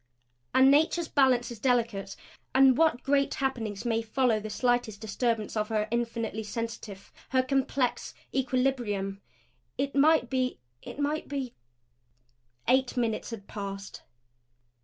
And Nature's balance is delicate; and what great happenings may follow the slightest disturbance of her infinitely sensitive, her complex, equilibrium? It might be it might be Eight minutes had passed.